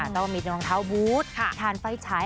ต้องมีรองเท้าบูธทานไฟฉาย